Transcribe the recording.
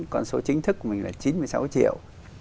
con số chính thức của mình là chín mươi sáu triệu